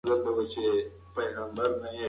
که تاسي ارام خوب ولرئ، نو سبا به فعال یاست.